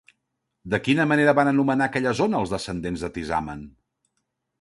De quina manera van anomenar aquella zona els descendents de Tisamen?